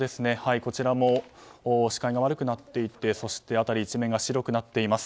こちらも視界が悪くなっていてそして辺り一面が白くなっています。